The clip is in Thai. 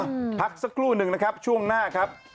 พักสักครู่หนึ่งนะครับช่วงหน้าครับ